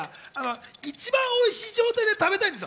一番おいしい状態で食べたいんです。